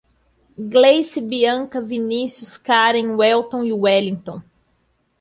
Gleice, Bianca, Vinicios, Karen, Welton e Wellinton